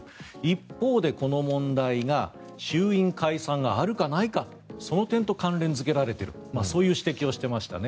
一方でこの問題が衆院解散があるかないかその点と関連付けられているという指摘をしていましたね。